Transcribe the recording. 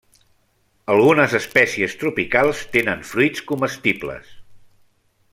Algunes espècies tropicals tenen fruits comestibles.